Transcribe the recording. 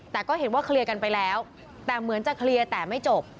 แต่ก็เห็นว่าเคลียร์กันไปแล้วแต่เหมือนจะเคลียร์แต่ไม่จบ